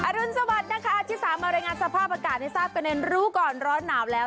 รุนสวัสดิ์นะคะที่สามมารายงานสภาพอากาศให้ทราบกันในรู้ก่อนร้อนหนาวแล้ว